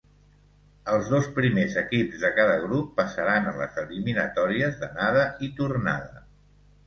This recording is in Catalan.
Els dos primers equips de cada grup passaran a les eliminatòries d'anada i tornada.